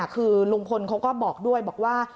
คือลุงพลเขาก็บอกด้วยบอกว่า